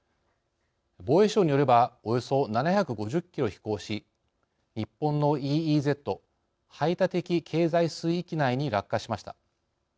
防衛省によればおよそ７５０キロ飛行し日本のＥＥＺ＝排他的経済水域内に落下しました。